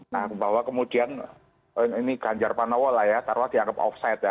nah bahwa kemudian ini ganjar panawola ya taruh dianggap offside ya